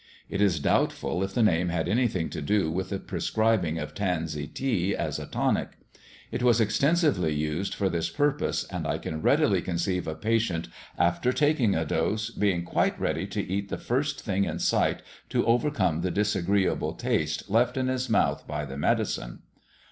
It is doubtful if the name had anything to do with the prescribing of tansy tea as a tonic. It was extensively used for this purpose, and I can readily conceive a patient, after taking a dose, being quite ready to eat the first thing in sight to overcome the disagreeable taste left in his mouth by the medicine.